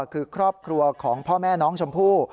คือครอบครัวของพ่อแม่น้องชมพู่